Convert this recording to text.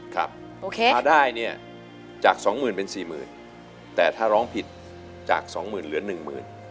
ครับโอเคมาได้เนี่ยจากสองหมื่นเป็นสี่หมื่นแต่ถ้าร้องผิดจากสองหมื่นเหลือหนึ่งหมื่น